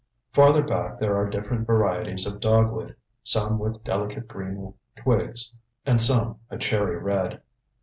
Farther back there are different varieties of dogwood, some with delicate green twigs and some a cherry red.